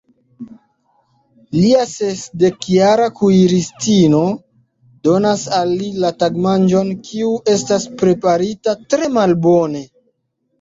Lia sesdekjara kuiristino donas al li la tagmanĝon, kiu estas preparita tre malbone.